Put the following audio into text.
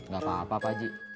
gak apa apa pak haji